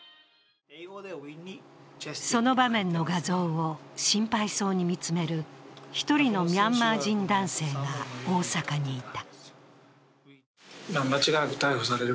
その場面の画像を心配そうに見つめる１人のミャンマー人男性が大阪にいた。